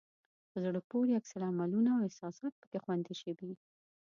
په زړه پورې عکس العملونه او احساسات پکې خوندي شوي.